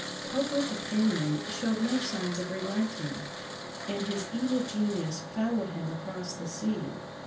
Public opinion showed no signs of relenting, and his evil genius followed him across the sea.